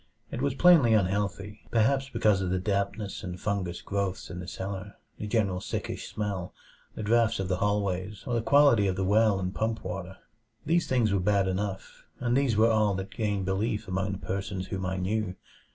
It was plainly unhealthy, perhaps because of the dampness and fungous growths in the cellar, the general sickish smell, the drafts of the hallways, or the quality of the well and pump water. These things were bad enough, and these were all that gained belief among the persons whom I knew.